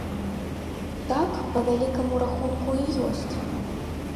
Так, па вялікаму рахунку, і ёсць.